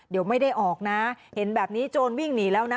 เดี๋ยวไม่ได้ออกนะเห็นแบบนี้โจรวิ่งหนีแล้วนะ